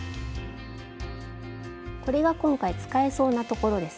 これが今回使えそうなところですね。